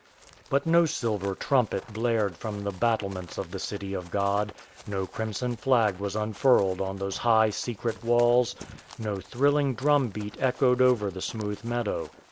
But no silver trumpet blared from the battlements of the City of God; no crimson flag was unfurled on those high, secret walls; no thrilling drum beat echoed over the smooth meadow.